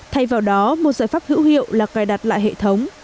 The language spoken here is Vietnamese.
thay vào đó một giải pháp hữu hiệu là cài đặt lại hệ thống